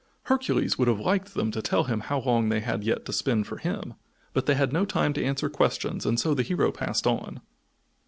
Hercules would have liked them to tell him how long they had yet to spin for him, but they had no time to answer questions and so the hero passed on.